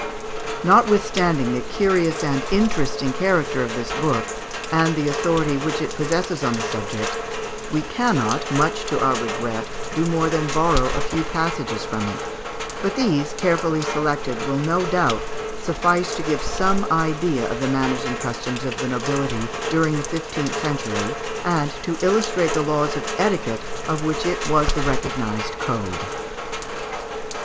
Notwithstanding the curious and interesting character of this book, and the authority which it possesses on this subject, we cannot, much to our regret, do more than borrow a few passages from it; but these, carefully selected, will no doubt suffice to give some idea of the manners and customs of the nobility during the fifteenth century, and to illustrate the laws of etiquette of which it was the recognised code.